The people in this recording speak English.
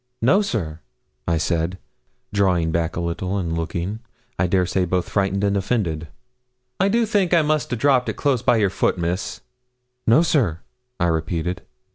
'No, sir,' I said, drawing back a little, and looking, I dare say, both frightened and offended. 'I do think I must 'a dropped it close by your foot, Miss.' 'No, sir,' I repeated.